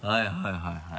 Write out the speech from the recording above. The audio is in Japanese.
はいはい。